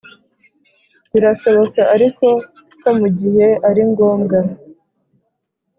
birashoboka ariko ko mu gihe ari ngombwa